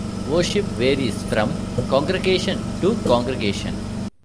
Worship varies from congregation to congregation.